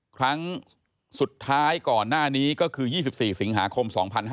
ครั้งสุดท้ายก่อนหน้านี้ก็คือ๒๔สิงหาคม๒๕๕๙